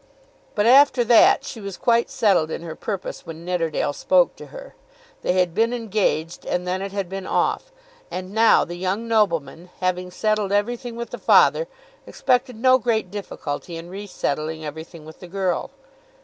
But after that she was quite settled in her purpose when Nidderdale spoke to her. They had been engaged and then it had been off; and now the young nobleman, having settled everything with the father, expected no great difficulty in resettling everything with the girl.